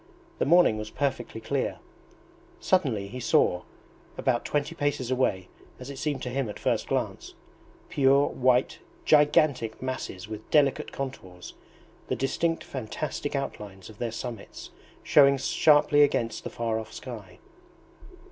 The morning was perfectly clear. Suddenly he saw, about twenty paces away as it seemed to him at first glance, pure white gigantic masses with delicate contours, the distinct fantastic outlines of their summits showing sharply against the far off sky.